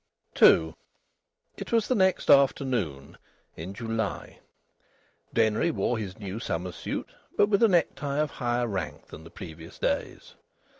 II It was the next afternoon, in July. Denry wore his new summer suit, but with a necktie of higher rank than the previous day's.